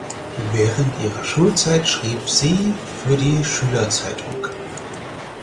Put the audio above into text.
Während ihrer Schulzeit schrieb sie für die Schülerzeitung.